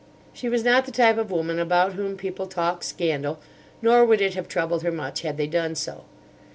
She was not the type of woman about whom people talk scandal, nor would it have troubled her much had they done so.